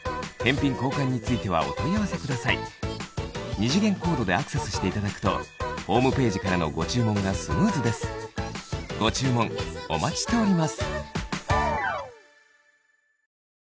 二次元コードでアクセスしていただくとホームページからのご注文がスムーズですご注文お待ちしております